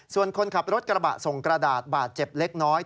ส่วนคนขับรถกระบะส่งกระดาษบาดเจ็บเล็กน้อย